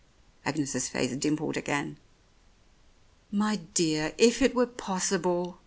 Agnes's face dimpled again. "My dear, if it were possible!